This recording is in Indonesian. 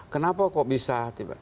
kenapa kok bisa